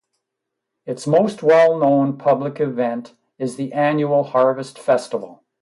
Its most well-known public event is the annual Harvest Festival.